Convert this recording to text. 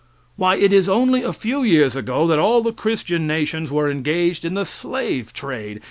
Why, it is only a few years ago that all the Christian nations were engaged in the slave trade.